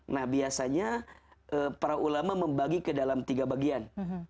nah biasanya para ulama membagi ke dalam tiga bagian